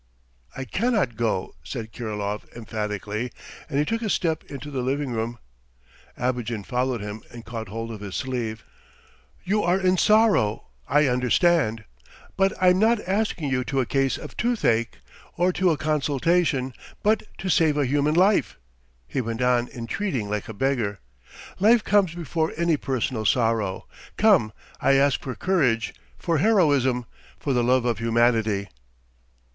"I cannot go," said Kirilov emphatically and he took a step into the drawing room. Abogin followed him and caught hold of his sleeve. "You are in sorrow, I understand. But I'm not asking you to a case of toothache, or to a consultation, but to save a human life!" he went on entreating like a beggar. "Life comes before any personal sorrow! Come, I ask for courage, for heroism! For the love of humanity!"